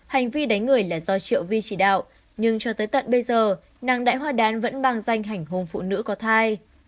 hành vi đánh người là do triệu vi chỉ đạo nhưng cho tới tận bây giờ nàng đại hoa đán vẫn mang danh hành hùng phụ nữ có thai